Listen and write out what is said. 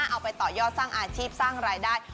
เอาไปต่อยอดสร้างอาชีพสร้างรายได้